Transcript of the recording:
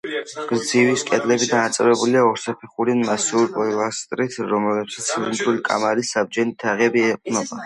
გრძივი კედლები დანაწევრებულია ორსაფეხურიანი მასიური პილასტრით, რომლებსაც ცილინდრული კამარის საბჯენი თაღები ეყრდნობა.